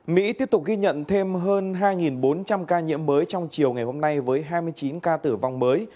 mỹ tiếp tục ghi nhận thêm hơn hai bốn trăm linh ca nhiễm mới trong chiều ngày hôm nay với hai mươi chín ca tử vong mới